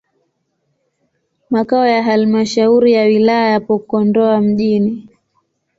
Makao ya halmashauri ya wilaya yapo Kondoa mjini.